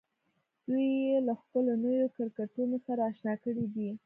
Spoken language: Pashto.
دوی يې له خپلو نويو کرکټرونو سره اشنا کړي دي.